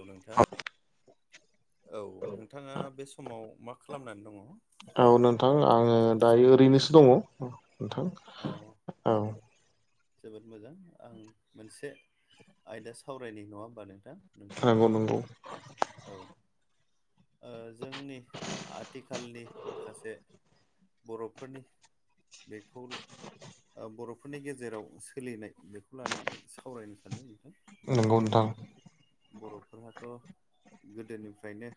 औ नोंथां औ नोंथाङा बे समाव मा खालामनानै दङ? औ नोंथां आङो दायो ओरैनोसो दङ औ नोंथां। औ औ जोबोद मोजां आं मोनसे आयदा सावरायनि नङा होमबा नोंथां नोंथांजों नंगौ नंगौ औ ओ जोंनि आथिखालनि माखासे बर'फोरनि दैखर ओ बर'फोरनि गेजेराव सोलिनाय बेखौ लानानै सावरायनो सानदों। दा नंगौ नोंथां बर'फोराथ' गोदोनिफ्रायनो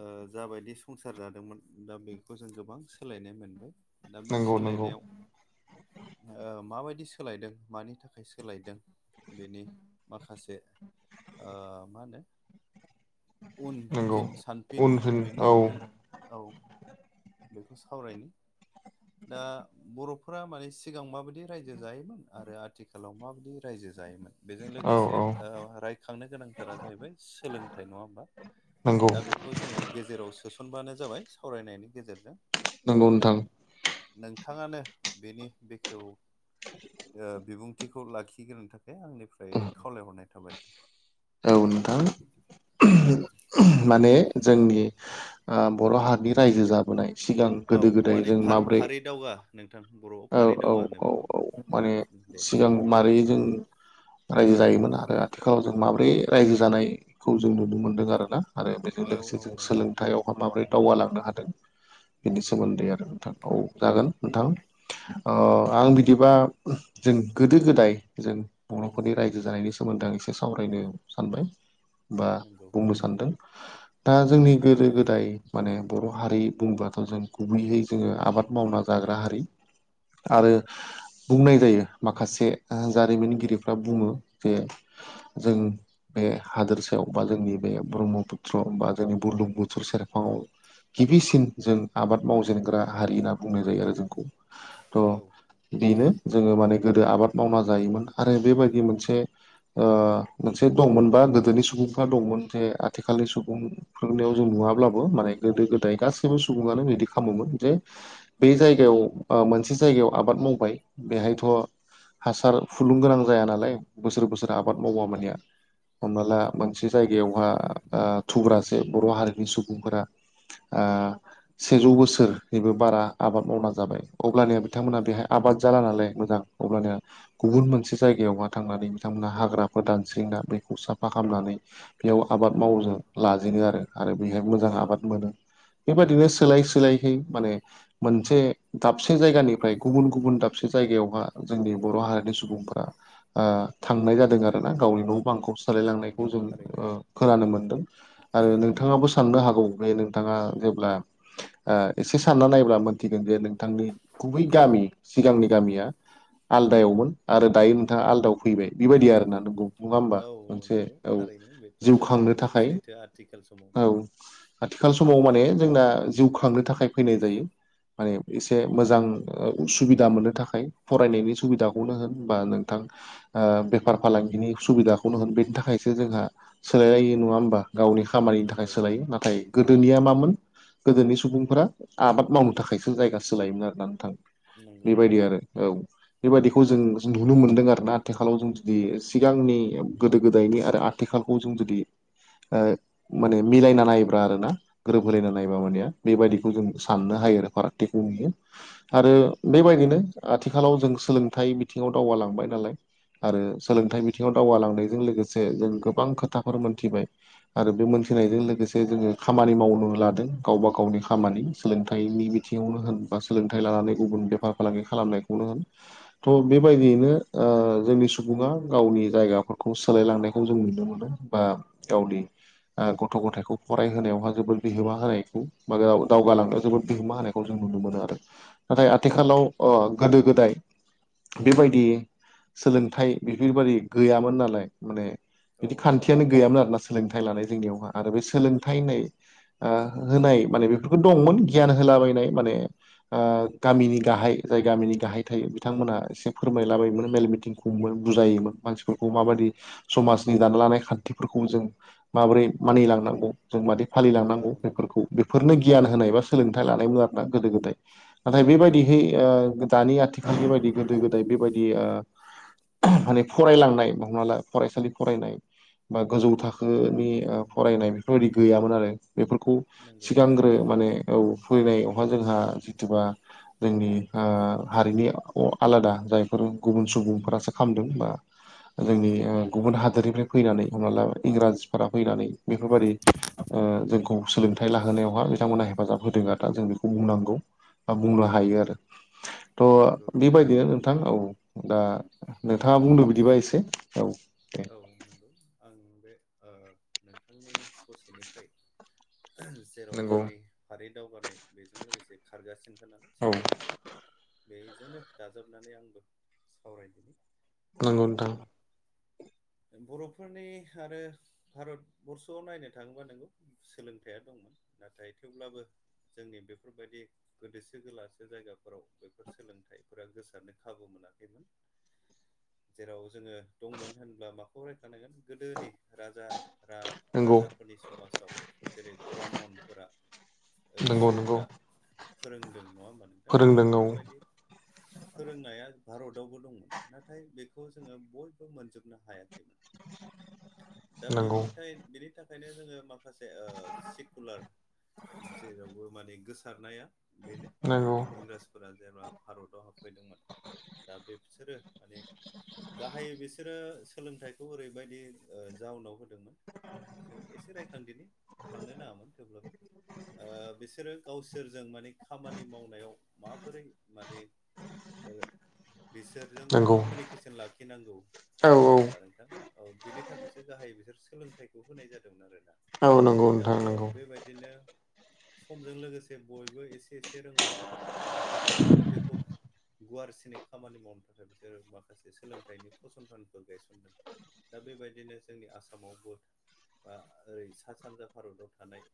ओ जाबायदि संसार जादोंमोन दा बेखौ जों गोबां सोलायनाय मोनबाय। दा बे नंगौ नंगौ सोलायनायाव ओ माबायदि सोलायदों मानि थाखाय सोलायदों बेनि माखासे ओ मा होनो उन नंगौ फिन सानफिन उनफिन बेनि औ बागै औ बेखौ सावरायनो। दा बर'फोरा माने सिगां माबायदि रायजो जायोमोन आरो आथिखालाव माबायदि रायजो जायोमोन? बेजों औ लोगोसे औ ओ रायखांनो गोनांथारा जाहैबाय सोलोंथाइ नङा होमबा? नोंगौ दा बेखौ जोङो गेजेराव सोसनबानो जाबाय सावरायनायनि गेजेरजों। नंगौ दा नोंथां नोंथाङानो बेनि बेखेव ओ बिबुंथिखौ लाखिग्रोनो थाखाय आंनिफ्राय खावलायहरनाय थाबाय। औ नोंथां माने जोंनि आ बर' हारिनि रायजो जाबोनाय सिगां गोदो औ गोदाय माने जों फा- माब्रै फारि दावगा नोंथां बर'आव औ फारि औ दावगा होनो औ बेखौ औ माने दे सिगां मारै जों रायजो जायोमोन आरो आथिखालाव जों माब्रै रायजो जानायखौ जों नुनो मोनदों आरोना आरो बेजों औ लोगोसे जों औ सोलों थायावहा माबोरै दावगालांनो हादों बेनि नंगौ सोमोन्दै आरो नोंथां औ जागोन नोंथां। अ आं बिदिबा जों गोदो गोदाय जों बर'फोरनि रायजो जानायनि सोमोन्दै आं एसे सावरायनो सानबाय बा नंगौ बुंनो सानदों। [inaudible] दा जोंनि गोदो गोदाय माने बर' हारि बुंबाथ' जों गुबैयै जोङो आबाद मावना जाग्रा हारि। आरो बुंनाय जायो माखासे जारिमिनगिरिफ्रा बुङो जे जों बे हादोरसायाव बा जोंनि बे ब्रह्मपुत्र बा जोंनि बुरलुं बुथुर सेरफाङाव गिबिसिन जों आबाद मावजेनग्रा हारि होनना बुंनाय जायो आरो जोंखौ औ बेनो जोङो माने गोदो आबाद मावना जायोमोन आरो बेबायदि मोनसे ओ मोनसे दंमोनबा गोदोनि सुबुंफ्रा दंमोन जे आथिखालनि सुबुं फोरोंनायाव जों नुङाब्लाबो माने गोदो गोदाय गासैबो सुबुङानो बिदि खामोमोन जे बे औ जायगायाव ओ मोनसे जायगायाव आबाद मावबाय बेहायथ' हासार फुलुं गोनां जाया नालाय बोसोर बोसोर आबाद औ मावबा मानिया हमना ला मोनसे जायगायावहा आ थुब्रासे बर' हारिनि सुबुंफोरा आ सेजौ बोसोरनिबो बारा आबाद मावना जाबाय अब्लानिया बिथांमोना बेहाय औ आबाद जाला नालाय मोजां अब्लानिया गुबुन मोनसे जायगायावहा थांनानै बिथांमोनहा हाग्रा गोदानस्रिंना बेखौ साफा खालामनानै बेयाव आबाद मावो नंगौ जों। लाजेनो आरो आरो बेहाय मोजां आबाद मोनो बेबायदिनो सोलाय सोलायहै माने मोनसे दाबसे जायगानिफ्राय गुबुन गुबुन दाबसे जायगायावहा जोंनि बर' हारिनि सुबुंफोरा आ थांनाय जादों आरो। गावनि न' बांखौ औ सालायलांनायखौ नंगौ जों थारैनो ओ खोनानो मोनदों आरो नोंथाङाबो साननो हागौ बे नोंथाङा जेब्ला आ एसे सानना नायोबब्ला मोनथिगोन जे नोंथांनि गुबै गामि सिगांनि गामिया आलदायावमोन आरो दायो नोंथाङा आलदायाव फैबाय बेबायदि आरोना। उम। नङा होमबा औ औ मोनसे नंगौ औ थारैनो बेथ' जिउ खांनो जोबोद थाखाय सैथो आथिखाल समावबो औ आथिखाल समाव माने जोंना जिउ खांनो थाखाय फैनाय जायो माने एसे मोजां उसुबिदा मोननो थाखाय फरायनायनि सुबिदाखौनो होन बा नोंथां ओ बेफार फालांगिनि सुबिदाखौनो होन बेनि थाखायसो जोंहा सोलायलायो नङा होमबा गावनि खामानिनि थाखाय नंगौ सोलायो नाथाय गोदोनिया नंगौ मामोन गोदोनि सुबुंफोरा आबाद मावनो थाखायसो जायगा सोलायोमोन आरोना नोंथां नंगौ बेबायदि आरो। औ बेबायदिखौ जों जों नुनो मोनदों आरो ना आथिखालाव जों दि सिगांनि गोदो गोदायनि आरो आथिखालखौ जों जुदि ओ माने मिलायना नायोब्रा आरो ना। गोरोब होलायना नायबा ओमबानिया बेबायदिखौ जों साननो हायो आरो फारागथिखौ नुयो। आरो बेबायदिनो आथिखालाव जों सोलोंथाइ बिथिङाव दावगालांबाय नालाय। आरो सोलोंथाइ बिथिङाव दावगालांनायजों लोगोसे जों गोबां खोथाफोर मोनथिबाय। आरो बे मोनथिनायजों लोगोसे जोङो खामानि मावनो लादों गावबा गावनि खामानि सोलोंथाइनि बिथिङावनो होन बा सोलोंथाइ लानानै गुबुन बेफार फालांगि खालामनायखौनो होन। थ' बेबायदियैनो ओ जोंनि स सुबुङा गावनि जायगाफोरखौ सोलायलांनायखौ जों नुनो मोनो बा गावनि ओ गथ' गथायखौ फरायहोनायावहा जोबोर बिहोमा होनायखौ माबायाव दावगालांनायाव जोबोद बिहोमा होनायखौ जों नुनो मोनो आरो। नाथाय आथिखालाव अ गोदो गोदाय बेबायदि सोलों थाइ बेफोरबायदि गैयामोन नालाय माने औ बिदि खान्थियानो गैयामोन आरो ना। सो सोलोंथाइ लानाय जोंनियावहा आरो बे सोलोंथाइ होननाय ओ होनाय माने बेफोरखौ दंमोन गियान होलाबायनाय माने ओ गामिनि गाहाय जाय गामिनि गाहाय थायो बिथांमोनहा एसे फोरमायलाबायोमोन मेल मिटिं हमो बुजायोमोन। मानसिफोरखौ माबायदि समाजनि दाना लानाय खान्थिफोरखौ जों माबोरै मानिलांनांगौ जों मादि फालिलांनांगौ औ नंगौ बेफोरखौ। बेफोरनो गियान होनाय एबा सोलोंथाइ लानायमोन आरो ना गोदो गोदाय। नाथाय बेबायदिहै ओ दानि आथिखालनि बायदि गोदो गोदाय बेबायदि ओ माने फरायलांनाय हमना ला फरायसालि फरायनाय बा गोजौ थाखोनि ओ फरायनाय बेफोरबायदि गैयामोन आरो। बेफोरखौ नंगौ सिगांग्रो थारैनो माने औ फैनायावहा जोंहा जितुबा जोंनि ओ हारिनि अ-आलादा जायफोर गुबुन सुबुंफोरा सो खालामदों बा जोंनि ओ गुबुन हादोरनिफ्राय फैनानै हमना ला इंराजफोरा फैनानै बेफोरबादि ओ जोंखौ सोलोंथाइ लाहोनायावहा बिथांमोनहा हेफाजाब होदों आरो ना जों बेखौ बुंनांगौ। बा बुंनो हायो आरो। नंगौ थ' थारैनो बेबायदिनो नोंथां। औ, दा नोंथाङा बुंदों बिदिबा एसे, औ। दे औ नंगौ आं बे ओ नोंथांनिनो ससेनिफ्राय जेराव नंगौ जोंनि फारि दावगानाय बेजों लोगोसे खारगासिनखा नालाय औ सावरायनाया। बेजोंनो दाजाबनानै आंबो सावरायदिनि। नंगौ नोंथां। बर'फोरनि आरो भारत बरर्स'आव नायनो थाङोबा नोंगौ। सोलोंथाइया दंमोन नाथाय थेवब्लाबो जोंनि बेफोरबायदि गोदोसो गोलासे जायगाफोराव बेफोर सोलोंथाइफोरा गोसारनो खाबु मोनाखैमोन। जेराव जोङो दंमोन होनब्ला मा खौ रायखांनांगोन गोदोनि राजा नंगौ रा-राजाफोरनि समाजाव जेरै ब्राह्मनफोरा, नंगौ रिशिफोरा फोरोंदों नङा होमबा नोंथां? फोरोंदों औ बेफोरबायदि फोरोंनाया भारतावबो दंमोन। नाथाय बेखौ जोङो बयबो मोनजोबनो हाया खैमोन। दा बिनि नंगौ थाय बिनि थाखायनो जोङो माखा खासे ओ सेकुलार जेरावबो माने गोसारनाया बेनो नंगौ इंराजफोरा जेब्ला भारतआव हाबफैदोंमोन दा बेबसोरो माने गाहायै बेसोरो सोलोंथाइखौ ओरैबायदि ओ जाउनाव हो दोंमोन। जों एसे रायखांदिनि थांनो नाङामोन थेवब्लाबो ओ बिसोरो गावसोरजों माने खामानि मावनायाव माबोरै माने ओ बिसोरजों नंगौ कमिउनिकेसन लाखिनांगौ। औ नोङा होमब्ला औ नोंथां औ बिनि थाखायसो गाहाय बिसोर सोलोंथाइखौ होनाय जादोंमोन आरोना। औ नंगौ दा नोंथां उनाव नंगौ बेबायदिनो। समजों लोगोसे बयबो एसे एसे रोंबाय दा आरो बेखौ। गुवारसिनै खामानि मावनो थाखाय बिसोरो माखासे सोलोंथाइनि फसंथानफोर गायसनदों। दा बेबायदिनो जोंनि आसामावबो। बा ओरै सा सानजा भारताव थानाय।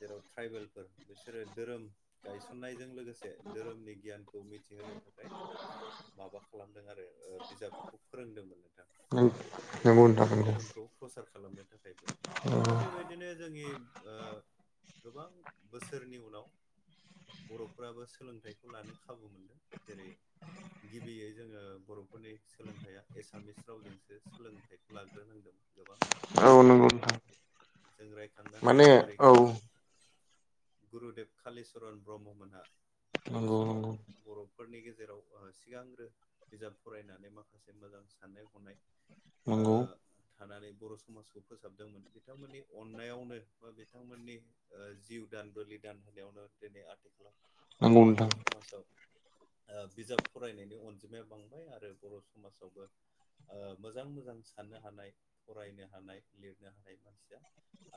जेराव ट्राइबेलफोर बिसोरो धोरोम गायसननायजों लोगोसे धोरोमनि गियान। खौ मिथिहोनो थाखाय माबा खालामदों आरो ओ बिजाबखौ फोरोंदोंमोन। नोंथां नंगौ नोंथां नंगौ धोरोमखौ प्रसार खालामनो थाखायबो। दा बेबायदिनो जोंनि ओ गोबां बोसोरनि उनाव। बर'फ्राबो सोलोंथाइखौ लानो खाबु मोनदों जेरै। गिबियै जोङो बर'फोरनि सोलोंथाइया एसामिस। रावजोंसो सोलोंथाइखौ लाग्रोनांदों गोबां औ नंगौ बर'फोरा नोंथां जों राय। थांनो माने हायो जेरै औ गुरुदेब कालिसरण ब्रह्म मोना। बै नंगौ समाव। नंगौ बर'फोरनि गेजेराव सिगांग्रो बिजाब फरायनानै माखासे मोजां साननाय। हनाय नंगौ ओ। थानानै बर' समाजखौ फोसाबदोंमोन बिथांमोननि अननायावनो बा बिथांमोननि। ओ जिउ दान बोलि दान होनायावनो दिनै आथिखालाव नंगौ जोंनि नोंथां बर' समाजाव। ओ बिजाब फरायनायनि अनजिमाया बांबाय आरो बर' समाजावबो। ओ मोजां मोजां साननो हानाय फरायनो हानाय लिरनो हानाय मानसिया।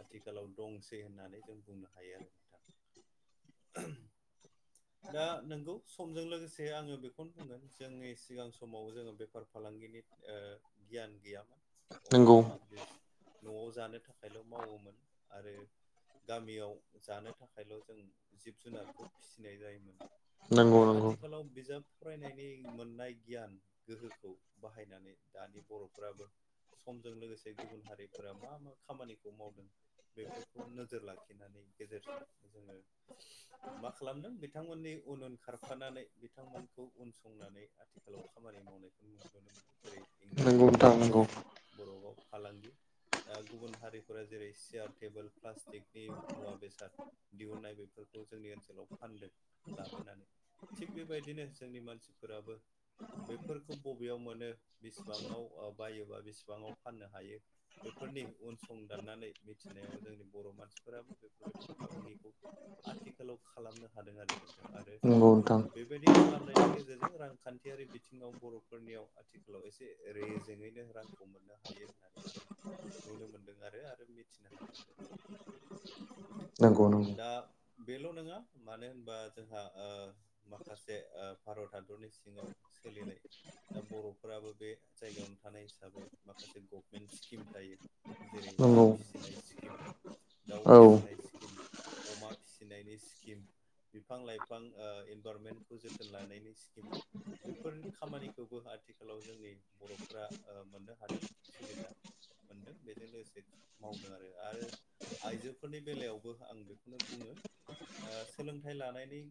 आथिखालाव दंसै होननानै जों बुंनो हायो आरो नोंथां। [inaudible] दा नोंगौ समजों लोगोसे आङो बेखौनो बुंगोन जोंनि सिगां समाव जोङो बेफार फालांगिनि। ओ गियान गैयामोन नंगौ अनलिबिस। न'आव जानो थाखायल' मावोमोन आरो। गामियाव जानो थाखायल' जों जिब- जुनारखौ फिसिनाय जायोमोन। नंगौ नाथाय नंगौ आथिखालाव बिजाब फरायनायनि मोनानाय गियान गोहोखौ बाहाय माने दानि बर'फ्राराबो। समजों लोगोसे गुबुन हारिफोरा मा मा खामानिखौ मावदों। बेफोरखौ नोजोर लाखिनायनि गेजेरजों जोङो। मा खालामदों बिथांमोनि उन उन खारफानानै बिथांमोनखौ उनसंनानै आथिखालाव खामानि मावनायखौ नुनो मोनदों। जेरै नंगौ इंराजियाव नोंथां बिजनेस नंगौ बर'आव फालांगि। ओ गुबुन हारिफोरा जेरै सियार टेबोल प्लास्टिकनि मुवा बेसाद। दिहुननाय बेफोरखौ जोंनि ओनसोलाव फानदों लाबोनानै। थिग बेबायदिनो जोंनि मानसिफोराबो बेफोरखौ बबेयाव मोनो बिसिबाङाव ओ बायोबा बेसेबांङाव फाननो हायो। बेफोरनि उन सं दाननानै मिथिनायाव जोंनि बर' मानसिफोराबो बेफोरबायदि फालांगिखौ। आथिखालाव खालामनो हादों नोंथां आरो। नंगौ नोंथां बेबायदि खालामनायनि गेजेरजों रांखान्थियारि बिथिङाव बर'फोरनियाव आथिखा। आखालाव एसे रेजेङैनो रांखौ मोननो हायो होननानै आं। नुनो मोनदों आरो आरो मिथिनो हादों आरो नंगौ नंगौ नोंथां दा बेल' नङा मानो होनबा जोंहा ओ माखासे ओ भारत हादरनि सिङाव सोलिनाय दा बर' फोराबो बे जायगायावनो थानाय हिसाबै माखासे गभमेन्ट स्किम थायो। जेरै ना नंगौ फिसिनाय स्किम। दाउ औ फिसिनाय स्किम अमा फिसिनायनि स्किम बिफां लाइफां ओ इनभारमेन्टखौ जोथोन लानायनि स्किम। बेफोर खामानिखौबो आथिख खालाव जोंनि बर'फ्रा ओ मोननो हादों सुबिदा। मोनदों बेजों लोगोसे मावदों आरो आरो आइजोफोरनि बेलायावबो आं बेखौनो बुङो ओ सोलोंथाइ लानायनि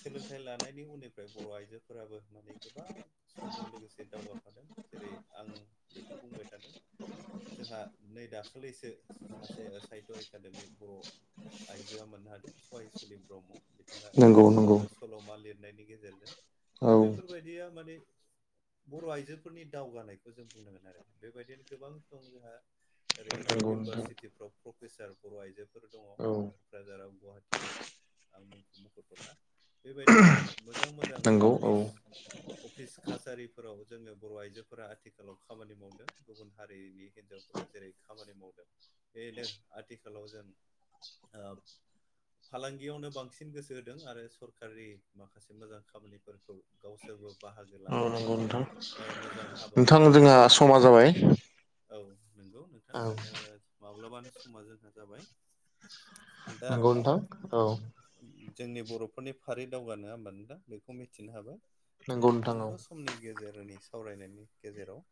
सोलोंथाइ लानायनि उननिफ्राय बर' आयजोफोराबो माने गोबां स समजों लोगोसे दावगाफादों जेरै आं बेखौ बुंबाय थादों। जोंहा नै दाखालिसो सासे साहित्य एकादेमि बर' आइजोआ मोननो हादों सहायसुलि ब्रह्म। बिथाङा नंगौ नंगौ ओ सल'मा लिरनायनि गेजेरजों औ दा बेफोरबायदिया माने बर' आइजोफोरनि दावगानायखौ जों बुंनांगोन आरो बेबायदिनो गोबां दं जोंहा ओरै नंगौ नोंथां इउनिभारसिटिफ्राव प्रफेसार बर' आइजोफोर दङ। औ क'क्राझाराव गुवाहाटियाव। आं मुंखौ मुंख'थ'ला बेबायदिनो मोजां मोजां नंगौ औ अफिस अफिस कासारिफोराव जोङो बर' आइजोफोरा आथिखालाव खामानि मावनो गुबुन हारिनि हिन्जाव फ्रा जेरै खामानि मावदों बेनो आथिखालाव जों ओब फालांगियावनो बांसिन गोसो होदों आरो सरकारि माखासे मोजां खामानिफोरखौ गावसोरबो बाहागो औ लानानै नंगौ नोंथां ओ मोज नोंथां जोंहा समा जाबाय औ नंगौ नोंथां औ ओ माब्लाबानो समा जोंहा जाबाय। दा नंगौ नोंथां औ जोंनि बर'फोरनि फारि दावगा नङा होमबा नोंथां बेखौ मिथिनो हाबाय। बे नंगौ नोंथां औ सुंद' समनि गेजेरनि सावरायनायनि गेजेराव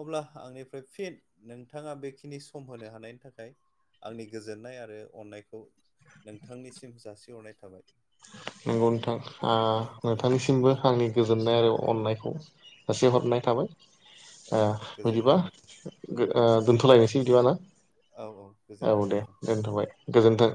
अब्ला आंनिफ्राय फिन नोंथाङा बेखिनि सम होनो हानायनि थाखाय आंनि गोजोननाय आरो अननायखौ नोंथानिसिम जासिहरनाय थाबाय। नंगौ नोंथां। ओ नोंथांनिसिमबो आंनि गोजोननाय आरो अननायखौ जासिहरनाय थाबाय। औ ओ बिदिबा गोजोन्थों गो ओ दोनथलायनोसै इदिबा ना? औ औ गोजोन्थों दे नोंथां दोनथ'बाय गोजोन्थों।